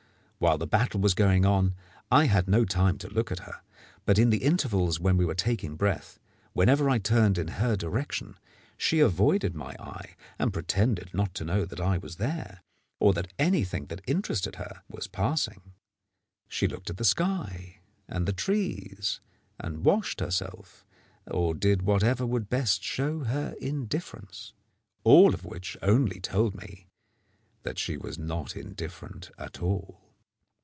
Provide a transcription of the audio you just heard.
While the battle was going on I had no time to look at her; but in the intervals when we were taking breath, whenever I turned in her direction, she avoided my eye and pretended not to know that I was there or that anything that interested her was passing. She looked at the sky and the trees, and washed herself, or did whatever would best show her indifference. All of which only told me that she was not indifferent at all.